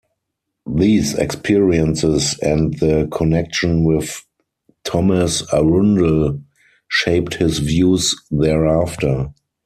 These experiences and the connection with Thomas Arundel shaped his views thereafter.